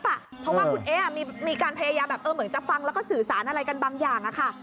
เพราะว่าคุณเอ๊มีการพยายามแบบเหมือนจะฟังแล้วก็สื่อสารอะไรกันบางอย่างค่ะ